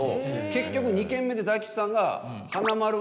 結局２軒目で大吉さんが。って